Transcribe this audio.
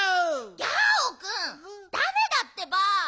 ギャオくんだめだってば！